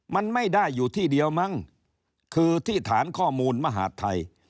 มันไม่ได้อยู่ที่เดียวมั้งคือที่ฐานข้อมูลมหาดไทย